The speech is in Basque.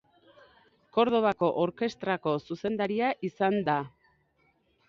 Kordobako orkestrako zuzendaria izan da.